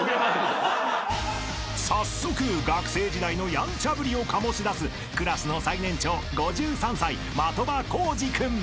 ［早速学生時代のやんちゃぶりを醸し出すクラスの最年長５３歳的場浩司君］